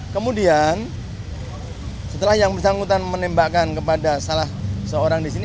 kemudian setelah yang bersangkutan menembakkan kepada salah seorang di sini